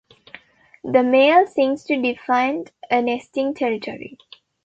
The male sings to defend a nesting territory.